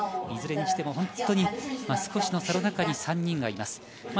いずれにしても本当に少しの差の中に３人がいます。